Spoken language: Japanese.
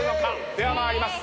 では参ります。